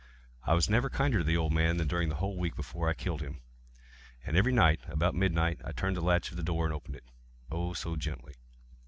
I was never kinder to the old man than during the whole week before I killed him. And every night, about midnight, I turned the latch of his door and opened it—oh, so gently!